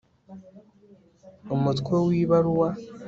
umutwe w'ibaruwa